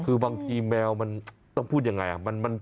คือบางทีแมวมันต้องพูดอย่างไรมัน